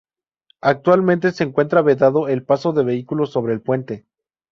Actualmente se encuentra vedado el paso de vehículos sobre el puente.